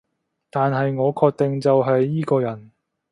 但係我確定就係依個人